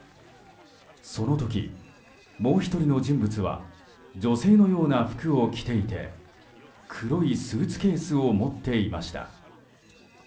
その時、もう１人の人物は女性のような服を着ていて黒いスーツケースを持っていました。